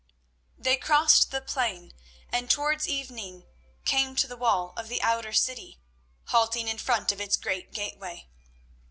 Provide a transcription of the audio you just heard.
They crossed the plain, and towards evening came to the wall of the outer city, halting in front of its great gateway.